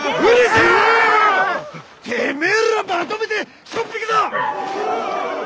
てめえらまとめてしょっ引くぞ！